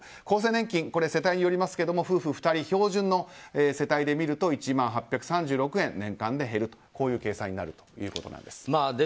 厚生年金は世帯によりますが夫婦２人、標準の世帯ですと１万８３６円年間で減るとこういう計算になるということです。